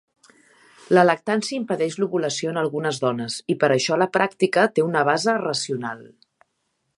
La lactància impedeix l"ovulació en algunes dones i per això la pràctica té una base racional.